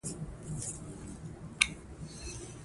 هغه تکراري خوب ویني.